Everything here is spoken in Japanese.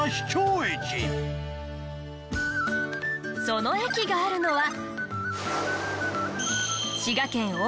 その駅があるのは。